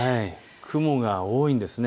雲が多いんです。